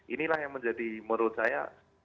inilah yang menjadi menurut saya